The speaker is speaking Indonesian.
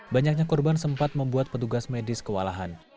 banyaknya korban sempat membuat petugas medis kewalahan